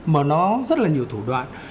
mà nó rất là nhiều thủ đoạn